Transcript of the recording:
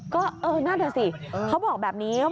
ก็เออน่าจะสิเขาบอกแบบนี้